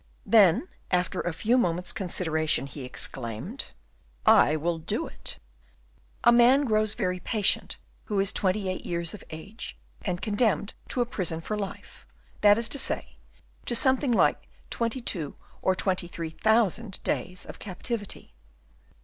Then, after a few moments' consideration, he exclaimed, "I will do it." A man grows very patient who is twenty eight years of age, and condemned to a prison for life, that is to say, to something like twenty two or twenty three thousand days of captivity.